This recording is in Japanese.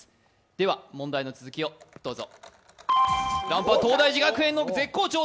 では問題の続きをどうぞ。